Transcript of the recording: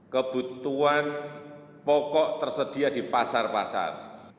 kebutuhan pokok tersedia di pasar pasar